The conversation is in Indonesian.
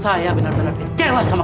saya benar benar kecewa sama kamu